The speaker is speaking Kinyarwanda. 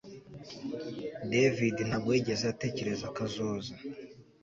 David ntabwo yigeze atekereza kazoza